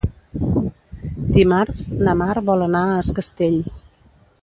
Dimarts na Mar vol anar a Es Castell.